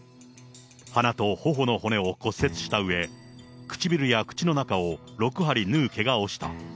鼻とほほの骨を骨折したうえ、唇や口の中を６針縫うけがをした。